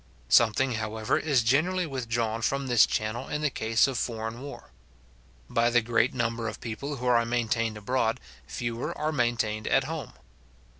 Something, however, is generally withdrawn from this channel in the case of foreign war. By the great number of people who are maintained abroad, fewer are maintained at home.